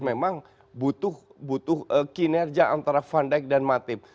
memang butuh kinerja antara van dijk dan matib